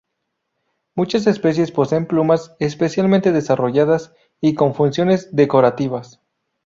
Muchas especies poseen plumas especialmente desarrolladas y con funciones decorativas.